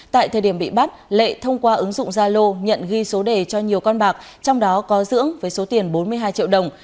tại thời điểm bị bắt lệ thông qua ứng dụng zalo nhận ghi số đề cho nhiều con bạc trong đó có dưỡng với số tiền bốn mươi hai triệu đồng